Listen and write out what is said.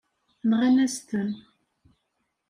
Nɣan-as-ten.